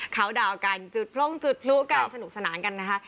เขาดาวกันจุดพลงจุดพลุกันสนุกสนานกันนะคะ